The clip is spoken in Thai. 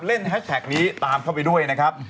แฮชแท็กนี้ตามเข้าไปด้วยนะครับ